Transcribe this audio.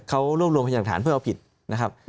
เขารวบรวมพยากฐานเพื่อเอาผิดนะครับ